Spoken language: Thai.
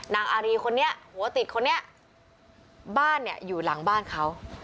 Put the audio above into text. นางอารีคนนี้หัวติดคนนี้บ้านเนี่ยอยู่หลังบ้านเขา